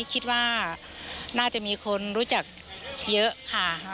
คิดว่าน่าจะมีคนรู้จักเยอะค่ะ